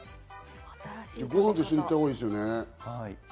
ご飯と一緒に行ったほうがいいですよね。